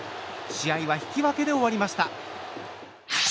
試合は引き分けで終わりました。